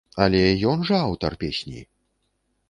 Але ён жа аўтар песні?